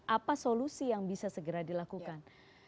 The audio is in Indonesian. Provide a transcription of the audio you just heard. apa solusi yang bisa segera dilakukan